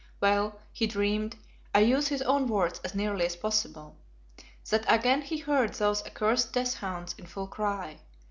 Well, he dreamed I use his own words as nearly as possible that again he heard those accursed death hounds in full cry.